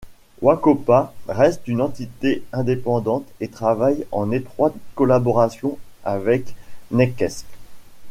Wakoopa reste une entité indépendante et travaille en étroite collaboration avec Netquest.